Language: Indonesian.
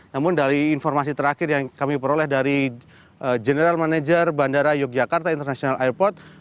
namun dari informasi terakhir yang kami peroleh dari general manager bandara yogyakarta international airport